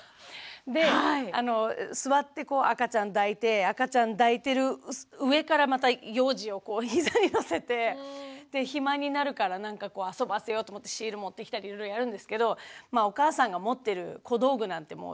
で座ってこう赤ちゃん抱いて赤ちゃん抱いてる上からまた幼児をこう膝に乗せてで暇になるからなんかこう遊ばせようと思ってシール持ってきたりいろいろやるんですけどまあお母さんが持ってる小道具なんてもうたかが知れてるんですよ。